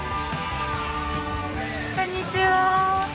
こんにちは。